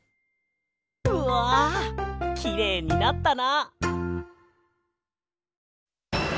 うわきれいになったな。